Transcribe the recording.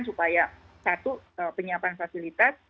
supaya satu penyiapan fasilitas